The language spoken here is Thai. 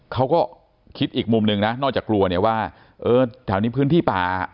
เขาก็คิดอีกมุมนึงนะนอกจากกลัวว่าแถวนี้พื้นที่ปลา